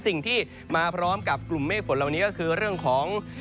สิ่งที่มาพร้อมกับกลุ่มเมฆฝนเหล่านี้ก็คือเรื่องของ